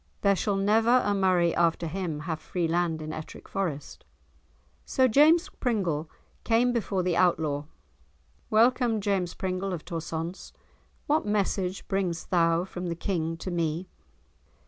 There shall never a Murray after him have free land in Ettrick Forest." So James Pringle came before the Outlaw. "Welcome James Pringle of Torsonse! What message bringst thou from the King to me?"